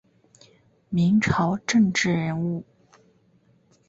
明朝政治人物。